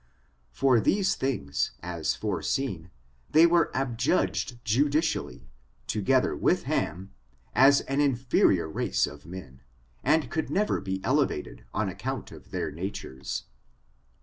For these things, as foreseen, they were adjudged judicially, together with Ham, as an inferior race of men, and could never be elevated on account of their natures.